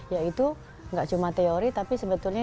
ya itu nggak cuma teori tapi sebetulnya